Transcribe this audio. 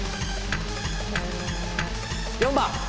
４番。